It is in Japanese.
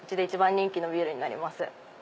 一番人気のビールになります。